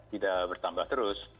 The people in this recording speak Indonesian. tidak bertambah terus